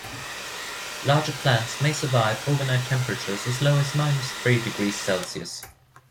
Larger plants may survive overnight temperatures as low as minus three degrees Celsius.